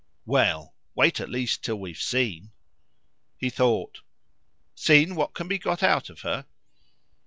"Well, wait at least till we've seen." He thought. "Seen what can be got out of her?"